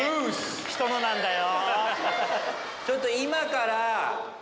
人のなんだよ。